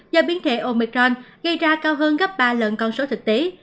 do biến thể omicron gây ra cao hơn gấp ba lần con số thực tế